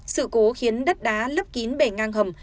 sự cố khiến đất đá lấp kín bể ngang hầm